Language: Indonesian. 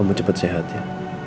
kamu cepet sehat ya